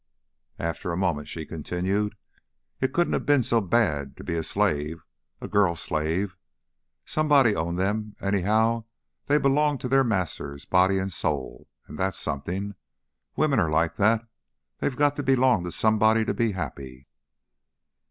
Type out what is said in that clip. After a moment she continued: "It couldn't have been so bad to be a slave a girl slave. Somebody owned them, anyhow; they belonged to their masters, body and soul, and that's something. Women are like that. They've got to belong to somebody to be happy."